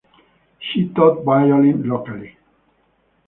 She taught violin locally.